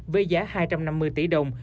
với giá hai trăm năm mươi tỷ đồng